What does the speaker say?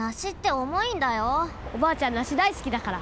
おばあちゃんナシだいすきだから。